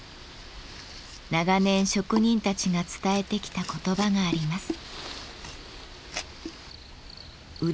長年職人たちが伝えてきた言葉があります。